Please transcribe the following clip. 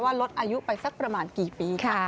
ลดอายุไปสักประมาณกี่ปีค่ะ